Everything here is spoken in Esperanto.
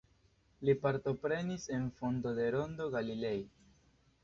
Li partoprenis en fondo de Rondo Galilei.